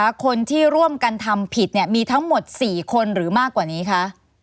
คนที่ร่วมกันทำผิดเนี่ยมีทั้งหมด๔คนหรือมากกว่านี้คะ